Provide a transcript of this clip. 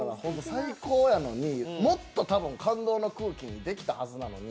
最高なのに、もっと感動の空気にできたはずなのに。